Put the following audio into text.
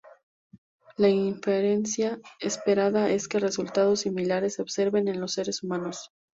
La inferencia esperada es que resultados similares se observen en los seres humanos.